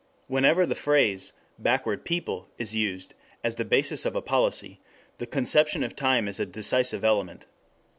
Whenever the phrase "backward people" is used as the basis of a policy, the conception of time is a decisive element.